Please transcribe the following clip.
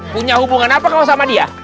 punya hubungan apa kalau sama dia